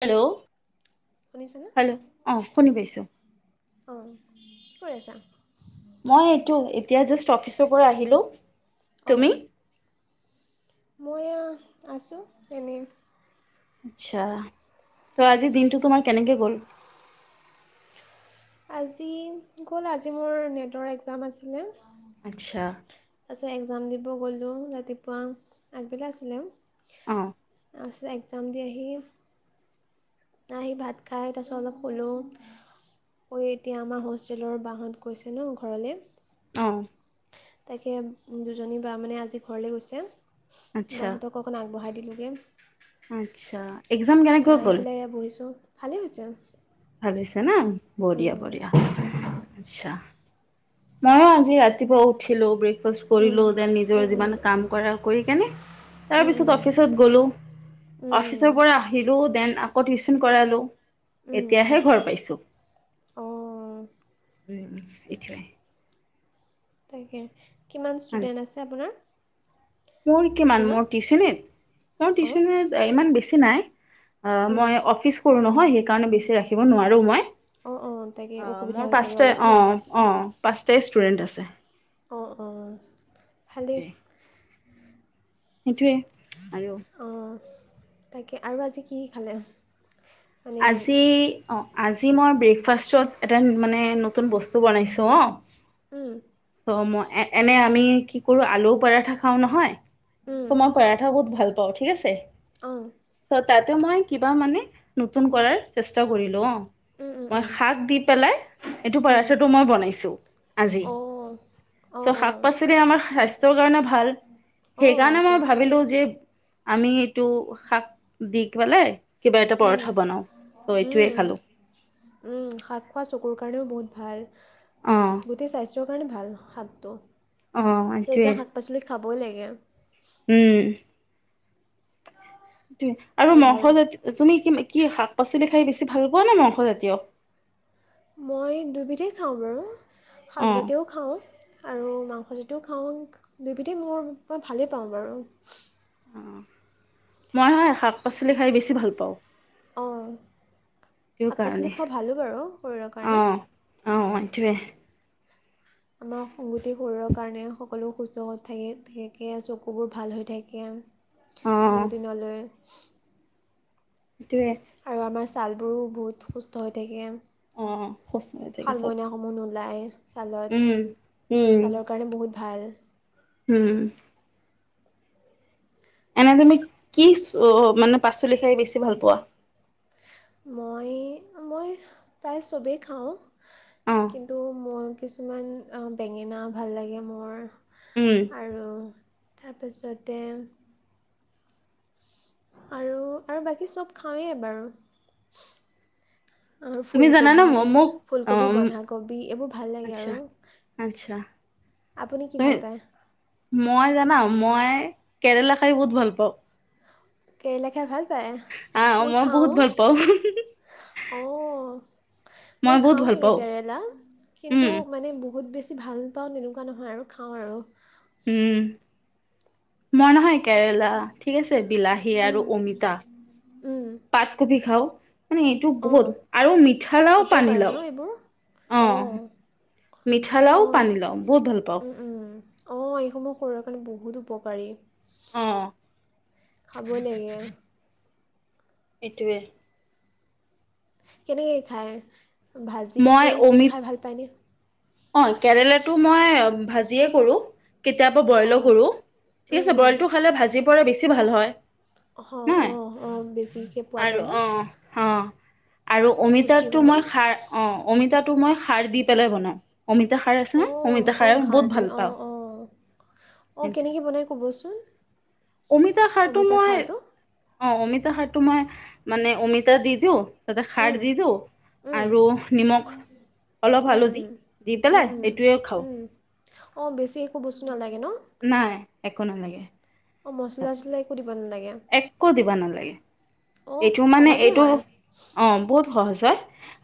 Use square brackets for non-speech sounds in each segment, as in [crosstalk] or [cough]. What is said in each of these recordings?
Hello শুনিছেনে hello অ শুনি পাইছোঁ। অ কি কৰি আছা? মই এইটো এতিয়া জাষ্ট অফিচৰ পৰা আহিলোঁ, অঁ তুমি? মই এইয়া আছোঁ এনেই। আচ্ছা, ত আজিৰ দিনটো তোমাৰ কেনেকে গ'ল। আজি গ'ল আজি মোৰ নেটৰ এক্জাম আছিলে। আচ্ছা। তাৰপিছত এক্জাম দিব গ'লো ৰাতিপুৱা আগবেলাই আছিলে। অ। তাৰপিছত একজাম দি আহি আহি ভাত খাই তাৰপাছত অলপ শুলোঁ। ঐ এতিয়া আমাৰ হোষ্টেলৰ বাহত গৈছে ন ঘৰলে। অ। তাকে দুজনী বা মানে আজি ঘৰলৈ গৈছে আচ্ছা বাহতক অকণ আগবঢ়াই দিলোগে। আচ্ছা্ সেয়া আহি পেলাই বহিছোঁ, ভালেই হৈছে। ভালে হৈছে না? বঢ়িয়া, উম, বঢ়িয়া। আচ্ছা, ময়ো আজি ৰাতিপুৱা উঠিলোঁ, ব্ৰে ফাষ্ট উম, কৰিলোঁ। দেন নিজৰ উম, উম। যিমান কাম কৰা কৰি কেনে, উম, তাৰপিছত উম, অফিচত গ'লোঁ, উম, অফিচৰ পৰা আহিলোঁ দেন আকৌ টিউশন কৰালোঁ। উম, উম। এতিয়াহে ঘৰ পাইছোঁ। অ', তাকে, কিমান ষ্টুডেণ্ট আছে আপোনাৰ? মোৰ কিমান টিউশ্যনত? মোৰ টিউচনত? মোৰ অঁ, টিউচনত এ, ইমান বেছি নাই। আ, উম। মই অফিচ কৰোঁ নহয়, সেইকাৰণে বেছি ৰাখিব নোৱাৰোঁ মই। অ', অ', তাকে। অ' অসুবিধা মোৰ হৈছোগে পাঁচটা অলপ ন? অ' অ', পাঁচটাই ষ্টুডেণ্ট আছে। অ', অ', ভালেই। সেইটোৱে, আৰু অ', তাকে আৰু আজি কি কি খালে? মানে আজি অ', আজি মই ব্ৰেকফাষ্টত এটা মানে নতুন বস্তু বনাইছো অ'। উম। ত' মই এ-এনে আমি কি কৰোঁ, আলু পৰাঠা খাওঁ নহয় উম, চো মই পৰাঠা বহুত ভাল পাওঁ, ঠিক আছে? অ'। চ' তাতে মই কিবা মানে নতুন কৰাৰ চেষ্টা কৰিলোঁ অ'। উম, উম, মই উম, শাক দি পেলাই, এইটো উম। পাৰঠাটো মই বনাইছোঁ আজি। অঁ, অঁ, চ' শাক অঁ, পাচলি আমাৰ স্বাস্থ্যৰ কাৰণে ভাল, অঁ, সেইকাৰণে তো ভাবিলোঁ যে আমি এইটো শাক দি পেলাই, কিবা এটা উম, পৰঠা বনাওঁ। চ' এইটোৱে উম, খালোঁ উম, শাক খোৱা চকুৰ কাৰণেও বহুত ভাল। অঁ গোটেই স্বাস্থ্যৰ কাৰণে ভাল শাকটো। অঁ এইটোৱে সেউজীয়া শাক পাচলি খাবই লাগে। উম। আৰু ভাল ভাল মাংসজাতীয় তুমি কি কি শাক পাচলি খাই বেছি ভাল পোৱা নে মাংসজাতীয়? মই দুবিধেই খাওঁ বাৰু, অঁ শাকজাতীয়ও খাওঁ। আৰু মাংস যিটোও খাওঁ, দুইবিধেই মোৰ ভালেই পাওঁ বাৰু। মই হয় শাক পাচলি খাই বেছি ভাল পাওঁ। অ', সেইটো শাক পাচলি কাৰণে খোৱা ভালো বাৰু শৰীৰৰ কাৰণে। অ', অ' [unintelligible] আমাৰ সংগুতি শৰীৰৰ কাৰণে সকলো সুস্থ থাক থাকে, চকুবোৰ ভাল হৈ থাকে। অঁ বহুত দিনলে সেইটোৱে। আৰু আমাৰ ছালবোৰো বহুত সুস্থ হৈ থাকে। অ', সুস্থ হৈ থাকে চব। [unintelligible] নোলায়ে ছালত, উম, উম, ছালৰ কাৰণে বহুত ভাল। উম। এনে তুমি কি চো-মানে পাচলি খাই বেছি ভাল পোৱা? মই, মই প্ৰায় ছবেই খাওঁ, অ', কিন্তু মোৰ কিছুমান আ, বেঙেনা ভাল লাগে মোৰ। উম। আৰু তাৰ পাছতে, আৰু আৰু বাকী চব খাওঁৱেই বাৰু তুমি জানানে ফুলকবি ম- মোক ফুলকবি অ', উম, বন্ধাকবি এইবোৰ ভাল লাগে আচ্ছা, আৰু আচ্ছা, আপুনি কি তুমি ভাল পায়। মই জানা মই কেৰেলা খাই বহুত ভাল পাওঁ। কেৰেলা খাই ভাল পায় আহ মই বহুত খাওঁ, ভাল পাওঁ, অ মই বহুত খাওঁ ভাল কিন্তু পাওঁ। কেৰেলা উম, কিন্তু মানে, বহুত বেছি ভাল পাওঁ তেনেকুৱা নহয় আৰু খাওঁ আৰু উম, মই নহয় কেৰেলা ঠিক আছে বিলাহী আৰু অমিতা। উম, পাতকবি খাও মানে এইটো অঁ বহুত আৰু মিঠা লাও উপকাৰী ন পানীলাও, এইবোৰ অ অঁ মিঠা লাও অঁ পানী লাও বহুত ভাল পাওঁ, উম অঁ এইসমূহ শৰীৰৰ কাৰণে বহুত উপকাৰী। উম, খাবই লাগে আৰু এই টোৱে, কেনেকে খায় ভাজি কৰি খাই ভাল পায়নে। অঁ কেৰেলাটো মই ভাজিয়ে কৰোঁ। কেতিয়াবা বইলো অঁ কৰোঁ ঠিক উম আছে উম বইলটো খালে ভাজি পৰা বেছি ভাল হয়। অ অ নহয় অ, আৰু অ অ আৰু অ অমিতাটো পুষ্টিসমূহ মই সাৰ, অঁ অমিতাটো মই সাৰ দি পেলাই বনাওঁ। অমিতা খাৰ আছে অঁ অমিতা অঁ খাৰে বহুত ভাল পাওঁ, অ কেনেকে বনাই কবচোন। অমিতা সাৰটো অমিতা মই খাৰটো অ অমিতা সাৰটো মই মানে অমিতা দি দিওঁ। তাতে খাৰ উম দিলি তো, উম আৰু নিমখ অলপ উম হালধি উম দি উম পেলাই উম এইটোৱে খাওঁ, উম অঁ বেছি একো বস্তু নালাগে ন। নাই একো নালাগে। অঁ মছলা তাত চচলা একো দিব নালাগে। একো দিবা নালাগে অঁ এইটো মানে সহজে এইটো হয় অ বহুত সহজ হয়।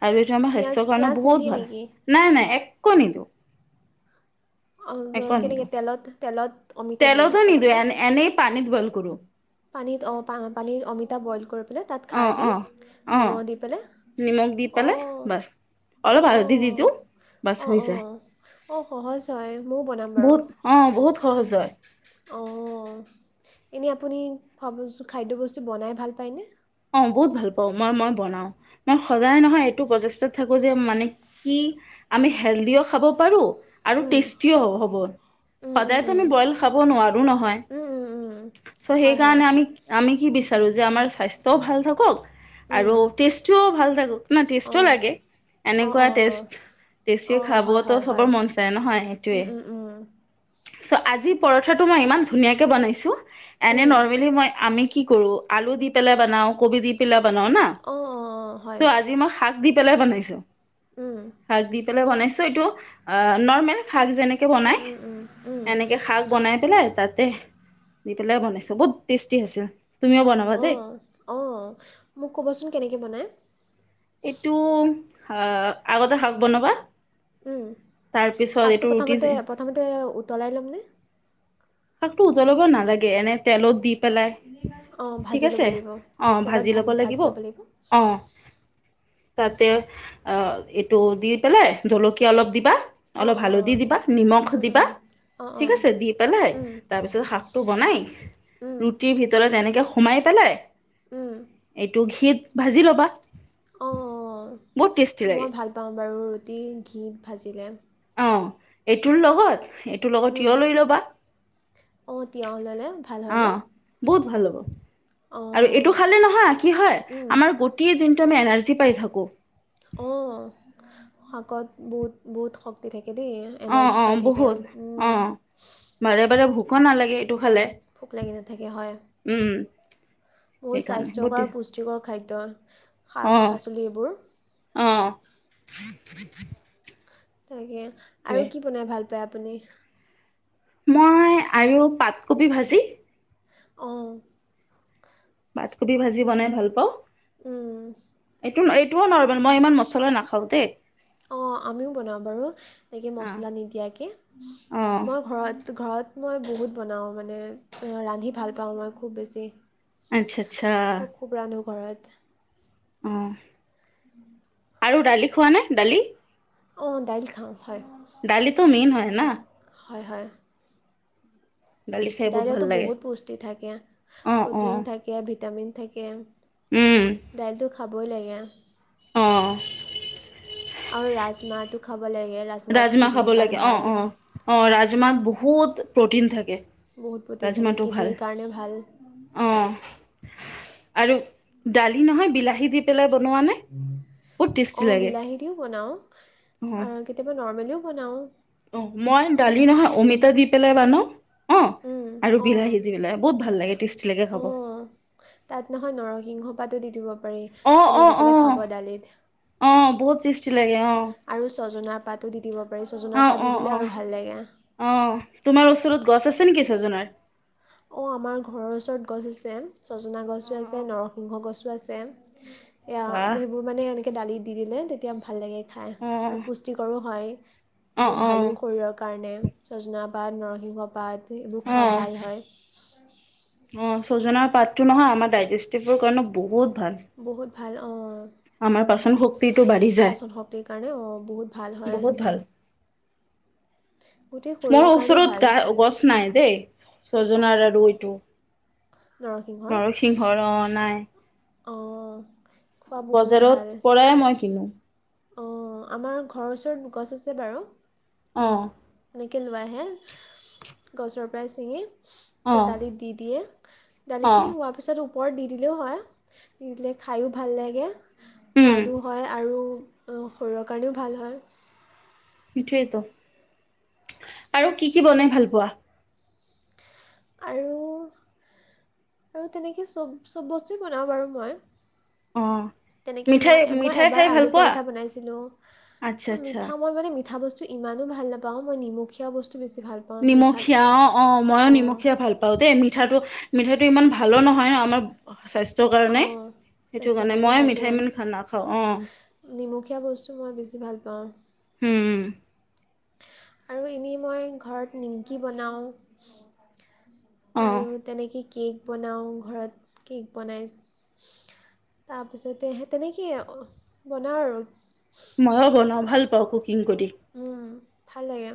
আৰু এইটো আমাৰ পিঁয়াজ শষ্যৰ কাৰণ পিঁয়াজ বহুত নিদিয়ে ভাল নেকি নাই নাই একো নিদিওঁ, অ কেনেকে তেলত তেলত, অমিতা দিয়ে তেলত প্ৰথমতে এনেই ধ বইল কৰো। পানীত অ পা পানী অমিতা বইল কৰিব, মানে তাত অ খাৰ দি অ অ নিমখ দি পেলাই নিমখ দি অ পেলাই বাছ অলপ অ হালধি দি দিওঁ বাছ অ হৈ অ যায় অ সহজ হয় ময়ও বনাম বাৰু বহুত অ বহুত সহজ হয়। অ এনেই আপুনি খ খাদ্যবস্তু বনাই ভাল পায়নে। অ বহুত ভাল পাও মই মই বনাও, মই সদায় নহয় এইটো প্ৰচেষ্টাত থাকোঁ যে মানে কি। আমি হেল্ডিও খাব পাৰো, আৰু উম টেষ্টিও হ'ব উম উম সদায়তো আমি বইল খাব নোৱাৰোঁ নহয়। উম উম উম উম চ সেই হয় হয় কাৰণে আমি আমি কি বিচাৰো যে আমাৰ স্বাস্থ্যও ভাল থাকক, আৰু উম টেষ্টটোও ভাল থাকক না টেষ্টও অঁ লাগে, অঁ এনেকুৱা অঁ অঁ টেষ্ট টেষ্টি অঁ হয় খাবতো হয় হয় সবৰ মন যায় নহয় উম সেইটোৱে। উম উম ছ আজি পৰঠাটো মই ইমান ধুনীয়াকৈ বনাইছোঁ। এনে উম নৰ্মেলি মই আমি কি কৰো আলু দি পেলাই বনাও কবি দি পেলাই বনাও না অঁ অঁ অঁ হয় চ আজি মই শাক দি পেলাই বনাইছো। উম শাক দি পেলাই বনাইছো এইটো, নৰ্মেল শাক যেনেকে উম, বনাই উম, উম, উম। এনেকে শাক বনাই পেলাই তাতে দি পেলাই বনাইছো, বহুত টেষ্টি হৈছে তুমিও বনাবা দেই। অঁ, অঁ মোক ক'বচোন কেনেকৈ বনায়? এইটো আগতে শাক বনাবা উম তাৰপিছত এইটো শাকটো ৰুটি প্ৰথমতে প্ৰথমতে উতলাই লম নে? শাকঞো উতলাব নালাগে, এনে তেলত দি পেলাই অঁ, ঠিক ভাজি ল'ব আছে লাগিব। অ তেলত ভাজি ভা ল'ব ভাজি লাগিব, অ তাতে আ এইটো দি পেলাই জলকীয়া অলপ দিবা, অঁ, অলপ অঁ, হালধি অঁ। দিবা নিমখ উম, দিবা উম। অঁ, ঠিক অঁ। আছে দি পেলাই উম, তাৰপিছত শাকটো বনাই উম, ৰুটি ভিতৰত এনেকে সোমাই পেলাই উম। দুখিত ভাজি ল'বা, অঁ, অঁ। বহুত টেষ্টি লাগে মই ভাল পাওঁ বাৰু ৰুটি ঘিত ভাজিলে। অ এইটোৰ লগত তোৰ লগত উম। টিয়ঁহ লৈ ল'বা, অঁ, তিয়ঁহ ল'লে ভাল হয় ন? অহ বহুত ভাল হ'ব আৰু অঁ, এইটো খালে নহয় কি হয় উম, আমাৰ গোট টেই দিনটো আমি এনাৰ্জি পাই থাকোঁ। অঁ শাকত বহুত বহুত শক্তি থাকে দেই। অ এনাৰ্জি অ পাই থাকে বহুত অ উম। বাৰে বাৰে ভোকো নালাগে এইটো খালে। ভোক লাগি নাথাকে হয়, উম বহুত সেইকাৰণে বহুত স্বাস্থ্যকৰ পু যোগৰ খাদ্য, শাক পাচলি এইবোৰ। অঁহ। তাকে আৰু সেইটোৱে কি বনাই ভাল পায় আপুনি? মই আৰু পাতকবি ভাজি। অঁ। বাতকবি ভাজি বনাই ভাল পাওঁ। উম। এইটো এইটোও নৰ্মেল মই ইমান মছলা নাখাওঁ দেই। অঁ আমিও বনাওঁ বাৰু এনেকে মছলা নিদিয়াকে, অ মই ঘৰত ঘৰত মই বহুত বনাওঁ মানে, ৰান্ধি ভাল পাওঁ মই খুব বেছি। আচ্ছা আচ্ছা। মই খুব ৰান্ধো ঘৰত। অউম আৰু দালি খোৱানে দালি? অ দাইল খাওঁ হয়। দালিটো মেইন হয় ন? হয় হয়। দালি খাই ভাল দাইলতো লাগে বহুত বস্তু থাকে, অ অ প্ৰটিন থাকে, ভিটামিন থাকে। উম। দাইলটো খাবই লাগে। অঁ। আৰু ৰাজমাহটো খাব লাগে ৰা ৰাজমাহ খাব লাগে অ অ অ ৰাজমাহ বহুত প্ৰটিন থাকে। বহুত প্ৰটিন থাকে কিডনীৰ কাৰণেও ভাল। অঁ আৰু দালি নহয় বিলাহী দি পেলাই বনোৱা নে? বহুত অ টেষ্টি লাগে বিলাহী দিও বনাও অ আৰু কেতিয়াবা নৰ্মেলিও বনাও। অ মই দালি নহয় অমিতা দি পেলাই বনাও অ উম, আৰু অঁ বিলাহী দি পেলাই বহুত ভাল লাগে টেষ্টি লাগে খাব। অঁ তাত নহয় নৰসিংহ পাতো দি অ', আপুনি দি অ', পেলাই খাব অ', দালিত। অ বহুত টেষ্টি লাগে অঁ। আৰু ছজনাৰ পাতো দি দিব পাৰি ছজনাৰ অ', পাত দি অ', দিলে অ', আৰু ভাল লাগে। অ তোমাৰ ওচৰত গছ আছে নেকি ছজনাৰ? অঁ আমাৰ ঘৰৰ ওচৰত গছ আছে ছজনা অ গছো আছে নৰসিংহ গছো আছে। [inaudible] এয়া সেইবোৰ মানে এনেকৈ দালিত দি দিলে ভাল লাগে খাই আৰু অ', পুষ্টিকৰ হয় অ', বোৰ ভালো অ', শৰীৰৰ কাৰণে ছজনা পাত নৰসিংহ পাত এইবোৰ খোৱা অ', ভাল হয়। অ ছজাৰ পাতটো নহয় আমাৰ ডাইজেষ্টিভৰ কাৰণে বহুত ভাল। বহুত ভাল অঁ। আমাৰ পাচন শক্তিটো বাঢ়ি যায় পাচত শক্তিৰ কাৰণে অ বহুত ভাল হয়। বহুত ভাল গোটেই মোৰ শৰীৰৰ কাৰণেই ওচৰত ভাল গা গছ নাই দেই। অঁ চজনাৰ আৰু এইটো নৰসিংহৰ নৰসিংহৰ অ নাই। অঁ। খোৱা বহুত ভাল বজাৰত পৰাই মই কিনো। অঁ আমাৰ ঘৰৰ ওচৰত গছ আছে বাৰু। অঁ। এনেকৈ লৈ আহে গছৰ পৰাই ছিঙি। ত অ', দালিত দি দিয়ে অ', দালিখিনি হোৱা তাৰপিছত ওপৰত দি দিলেও হয় দি দিলে খাইয়ো ভাল লাগে উম, সোৱাদো হয় আৰু শৰীৰৰ কাৰণেও ভাল হয়। সটোৱেইতো, আৰু কি কি বনাই ভাল পোৱা? আৰু আৰু তেনেকৈ চব চব বস্তুৱেই বনাওঁ বাৰু মই। অ তেনেকে মই, মিঠাই মই মিঠাই এবাৰ খাই ভাল আলু পোৱা? পৰঠা বনাইছিলো। আচ্ছা আচ্ছা। মিঠা মই মানে মিঠা ব স্তু ইমানো ভাল নাপাওঁ, মই নিমখীয়া বস্তু বেছি ভাল পাওঁ। নিমখীয়া মিঠাতকৈ অ অ মইয়ো অঁ নিমখীয়া ভাল পাওঁ দেই। মিঠাটো মিঠাটো ইমান ভালো নহয় ন আমাৰ স্বা স্থ্যৰ কাৰণে অঁ সেইটো স্বাস্থ্যৰ কাৰণে মই তাকে মিঠাই মই ইমান নাখাওঁ অঁ। নিমখীয়া বস্তু মই বেছি ভাল পাওঁ। হুম। এনেই মই ঘৰত নিমকি বনাওঁ আৰু অ'। তেনেকৈ কেক বনাওঁ ঘৰত কেক বনাই তাৰপিছতে হে তেনেকে বনাও আৰু মইও বনাও ভাল পাওঁ কোকিং কৰি। উম ভাল লাগে